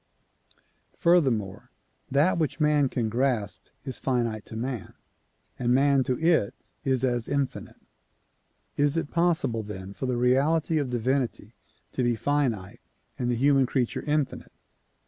Furthermore, that which man can grasp is finite to man, and man to it is as infinite. Is it possible then for the reality of divinity to be finite and the human creature infinite?